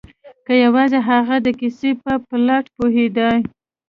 که یوازې هغه د کیسې په پلاټ پوهیدای